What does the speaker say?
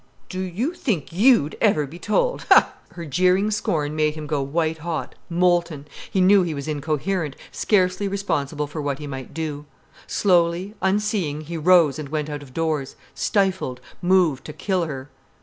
"Do you think you'd ever be told—ha!" Her jeering scorn made him go white hot, molten. He knew he was incoherent, scarcely responsible for what he might do. Slowly, unseeing, he rose and went out of doors, stifled, moved to kill her.